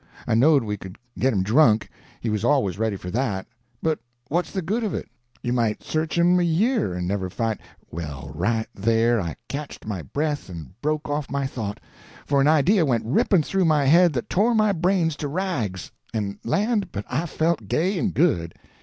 I knowed we could get him drunk—he was always ready for that—but what's the good of it? You might search him a year and never find—Well, right there I catched my breath and broke off my thought! For an idea went ripping through my head that tore my brains to rags—and land, but I felt gay and good!